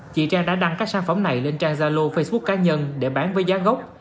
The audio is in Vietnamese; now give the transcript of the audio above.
chị trang đã đăng các sản phẩm này lên trang zalo facebook cá nhân để bán với giá gốc